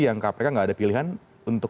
yang kpk nggak ada pilihan untuk